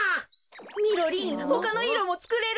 みろりんほかのいろもつくれる？